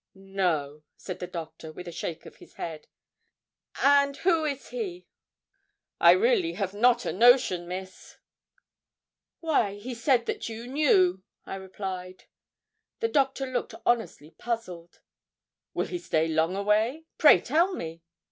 'No,' said the Doctor, with a shake of his head. 'And who is he?' 'I really have not a notion, Miss.' 'Why, he said that you knew,' I replied. The Doctor looked honestly puzzled. 'Will he stay long away? pray tell me.'